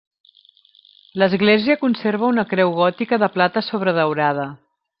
L'església conserva una creu gòtica de plata sobredaurada.